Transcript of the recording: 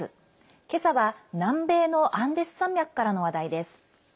けさは、南米のアンデス山脈からの話題です。